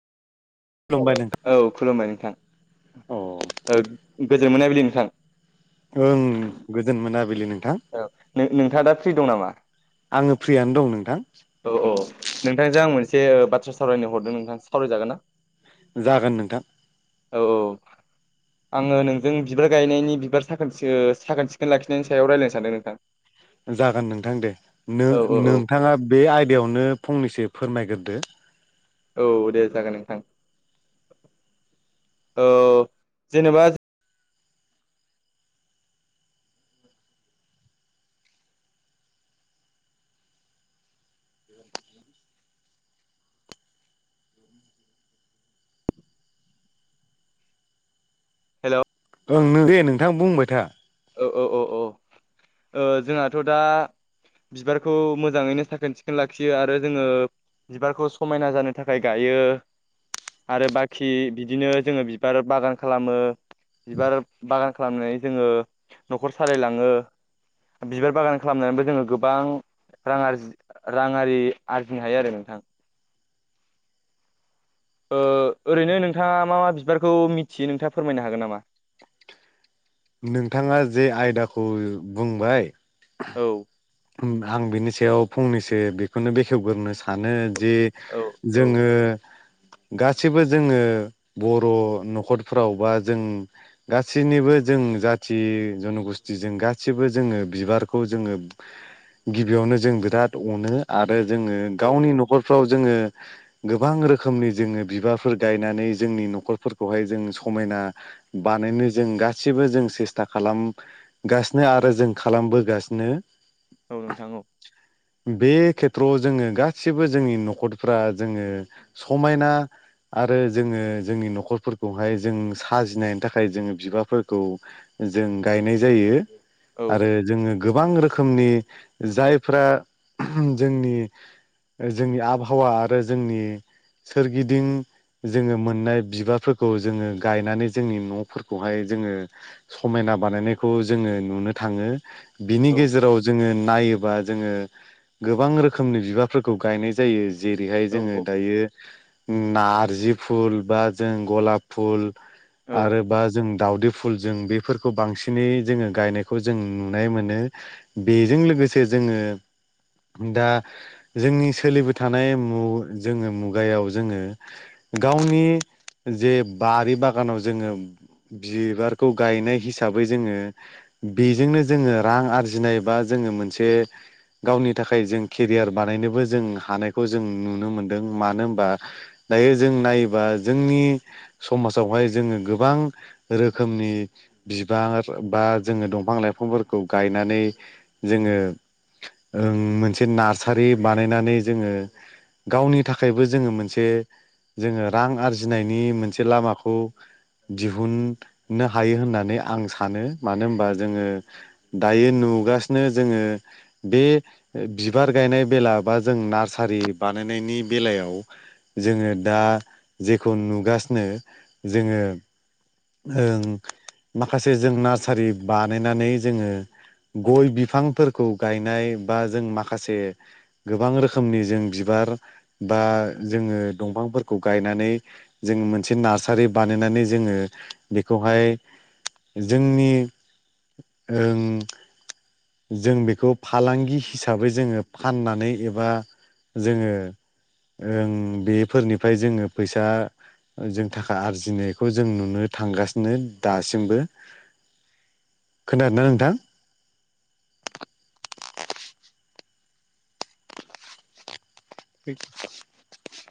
[unintelligible] औ खुलुमबाय नोंथां ओं औ गोजोन मोनाबिलि नोंथां ओं गोजोन मोनाबिलि नोंथां। औ नोंथाङा दा फ्रि दं नामा आङो फ्रियानो दं नोंथां औ औ नोंथांजों आं मोनसे बाथ्रा सावरायनो हरदों नोंथां सावरायजागोन ना जागोन नोंथां। औ औ आङो नोंजों बिबार गायनायनि बिबार साखोन ओ साखोन सिखोन लाखिनायनि सायाव रायलायनो सानदों नोंथां [inaudible] जागोन नोंथां दे । औ औ औ नो-नोंथाङा बे आयदायावनो फंनैसो फोरमायग्रोदो औ दे जागोन नोंथां ।औ जेनेबा हेलौ ओं नों दे नोंथां बुंबाय था औ औ औ ओ जोंहाथ' दा बिबारखौ मोजाङैनो साखोन सिखोन लाखियो आरो जोङो बिबारखौ समायना जानो थाखाय गायो आरो बाखि बिदिनो जोङो बिबार बागान खालामो बिबार बागान खालामनानै जोङो न'खर सालायलाङो बिबार बागान खालामनानैबो जोङो गोबां रां आरजि राङारि आरजिनो हायो आरो नोंथां ओ ओरैनो नोंथाङा मा मा बिबारखौ मिथियो नोंथाङा फोरमायनो हागोन नामा? नोंथाङा जे आयदाखौ बुंबाय औ- आं बिनि सायाव फंनैसो बेखौनो बेखेवग्रोनो सानो जे औ औ जोङो गासैबो जोङो बर' न'खरफ्राव बा जों गासैनिबो जों जाथि जन'गस्थिजों गासिबो जोङो बिबारखौ जोङो गिबियावनो जों बिराद अनो आरो जोङो औ गावनि न'खरफ्राव जोङो गोबां रोखोमनि जोङो बिबारफोर गायनानै जोंनि न'खरफोरखौहाय जों समायना बानायनो जों गासिबो जों सेस्था खालाम गासिनो आरो जों खालामबोगासिनो। औ नोंथां औ बे खेथ्रआव जोङो गासिबो जोंनि न'खरफ्रा जोङो समायना आरो जोङो जोंनि न'खरफोरखौहाय जों साजिनायनि थाखाय जोङो बिबारफोरखौ जों गायनाय जायो औ आरो जोङो गोबां रोखोम रोखोमनि जायफ्रा जोंनि जोंनि आबहावा आरो जोंनि सोरगिदिं जोङो मोननाय बिबारफोरखौ जोङो गायनानै जोंनि न'फोरखौहाय जोङो समायना बानायनायखौ जोङो नुनो थाङो बिनि गेजे औ जोङो नायोबा जोङो गोबां रोखोमनि बिबारफोरखौ गायनाय जायो जेरैहाय जोङो औ दायो नारजि फुल बा जों गलाब फुल औ आरोबा जों दावदै फुल जों बेफोरखौ बांसिनै जोङो गायनायखौ जों नुनाय मोनो। बेजों लोगोसे जोङो दा जोंनि सोलिबो थानाय जोङो मुगायाव जोङो गावनि जे बारि बागानाव जोङो बिबारखौ गायनाय हिसाबै जोङो बेजोंनो जोङो रां आरजिनाय बा जोङो मोनसे गावनि थाखाय जों केरियार बानायनोबो जों हानायखौ जों नुनो मोनदों मानो होनबा दायो जों नायोबा जोंनि समाजावहाय जोङो गोबां रोखोमनि बिबार बा जोङो दंफां लाइफांफोरखौ गायनानै जोङो ओ मोनसे नार्सारि बानायनानै जोङो गावनि थाखायबो जोङो मोनसे जोङो रां आरजिनायनि मोनसे लामाखौ दिहुननो हायो होननानै आं सानो मानो होनबा जोङो दायो नुगासिनो जोङो बे बिबार गायनाय बेला बा जों नार्सारि बानायनायनि बेलायाव जोङो दा जेखौ नुगासिनो जोङो ओं माखासे जों नार्सारि बानायनानै जोङो गय बिफांफोरखौ गायनाय बा जों माखासे गोबां रोखोमनि जों बिबार बा जोङो दंफांफोरखौ गायनानै जोङो मोनसे नार्सारि बानायनानै जोङो बेखौहाय जोंनि ओं जों बेखौ फालांगि हिसाबै जोङो फाननानै एबा जोङो ओं बेफोरनिफ्राय जोङो फैसा जों थाखा आरजिनायखौ जों नुनो थांगासिनो दासिमबो। खोनदोंना नोंथां? [inaudible]